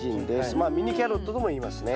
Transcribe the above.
まあミニキャロットともいいますね。